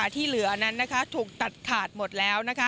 ที่เหลือนั้นถูกตัดขาดหมดแล้ว